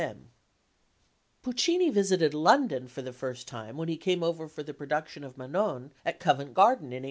Lucca_] Puccini visited London for the first time when he came over for the production of Manon at Covent Garden in 1894.